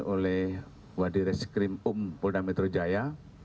oleh wadide skrimum polda metro jaya